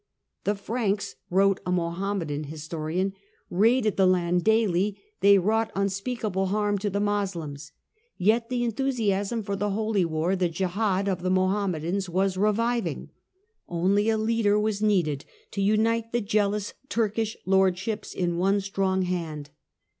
" The Franks," wrote a Mohammedan historian, " raided the land daily ; they wrought unspeakable harm to the Moslems." Yet the enthusiasm for the holy war, the Jihad of the Moham medans, was reviving. Only a leader was needed to unite the jealous Turkish lordships in one strong hand.